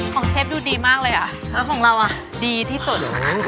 เชฟดูดีมากเลยอ่ะแล้วของเราอ่ะดีที่สุด